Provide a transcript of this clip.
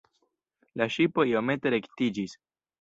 La ŝipo iomete rektiĝis.